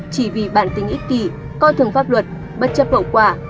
chỉ vì bản tính ích kỷ coi thường pháp luật bất chấp bổ quả